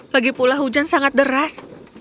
lagi pula hujan sangat deras